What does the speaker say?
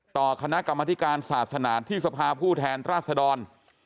ต่อคณะกรรมธิการศาสนาที่สภาผู้แทนราชดร